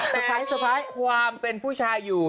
แต่ว่ามีความเป็นผู้ชายอยู่